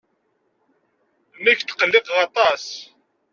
Nekk tqelliqeɣ aṭas.